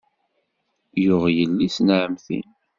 Yuɣ yelli-s n ɛemmti.